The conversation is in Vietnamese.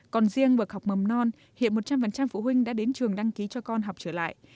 còn riêng bậc học mầm non hiện một trăm linh phụ huynh đã đến trường đăng ký cho con học trở lại